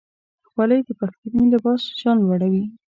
خولۍ د پښتني لباس شان لوړوي.